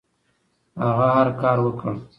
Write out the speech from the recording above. هغه هر کار وکړ.